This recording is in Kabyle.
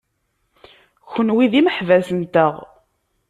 Kenwi d imeḥbas-nteɣ.